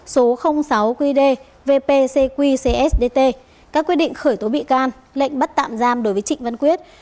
số sáu qd vpcqcsdt các quyết định khởi tố bị can lệnh bắt tạm giam đối với trịnh văn quyết